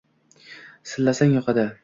- Silasang yoqadi;